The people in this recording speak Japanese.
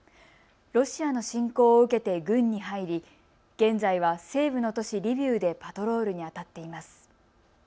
ロシアの侵攻を受けて軍に入り現在は西部の都市リビウでパトロールにあたっています。